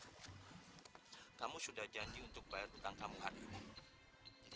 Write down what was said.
kamu sudah janji untuk bayar utang kamu hari ini